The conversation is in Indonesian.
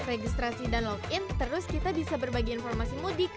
registrasi dan login terus kita bisa berbagi informasi mudik